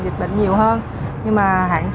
dịch bệnh nhiều hơn